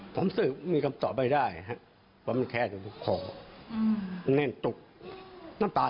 ผมสิมีคำตอบไม่ได้ว่ามันแค่จะตกขอแน่นตกน้ำตาลอยู่ลงมาเพียบ